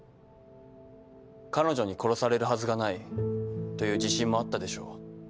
彼女に殺されるはずがないという自信もあったでしょう。